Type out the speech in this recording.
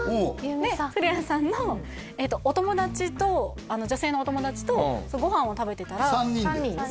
うん古谷さんのお友達と女性のお友達とご飯を食べてたら３人で？